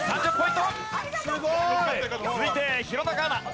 続いて弘中アナ。